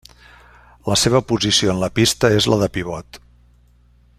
La seva posició en la pista és la de pivot.